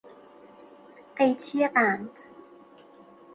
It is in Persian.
قیچی قند